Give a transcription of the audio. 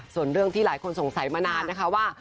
ส่วนเรื่องที่หลายคนสงสัยมานานนะคะว่า